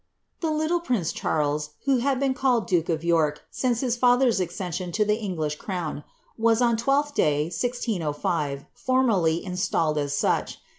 The little prince Charles, who had been called dirke of York sinff his father's accession to the English crown, was. on Twelfth day. !W5 formally installed as such.